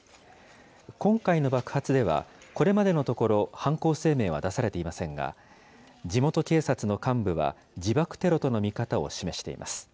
今回の爆発では、これまでのところ、犯行声明は出されていませんが、地元警察の幹部は自爆テロとの見方を示しています。